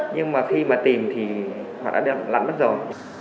nhưng mà khi mà tìm thì họ đã lặn mất rồi